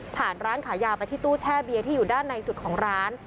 ร้านขายยาไปที่ตู้แช่เบียร์ที่อยู่ด้านในสุดของร้าน